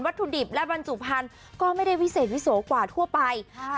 ถุดิบและบรรจุพันธุ์ก็ไม่ได้วิเศษวิโสกว่าทั่วไปค่ะ